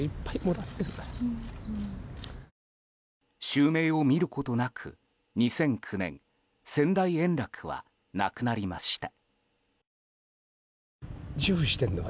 襲名を見ることなく２００９年、先代、圓楽は亡くなりました。